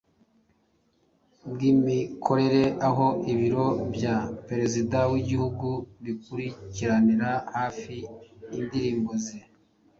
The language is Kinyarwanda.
bwimikorere aho ibiro bya perezida w'igihugu bikurikiranira hafi indirimbo ze,